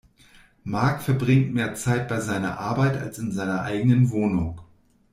Mark verbringt mehr Zeit bei seiner Arbeit als in seiner eigenen Wohnung.